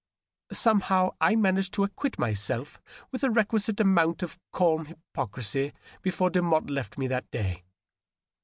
.." Somehow I managed to acquit myself with the requisite amount of calm hypocrisy before Demotte left me that day.